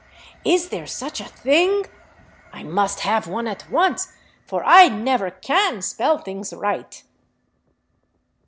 "Is there such a thing? I must have one at once, for I never can spell things right."